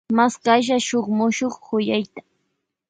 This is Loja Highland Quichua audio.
Mashkasha shun muchuk kuyayta.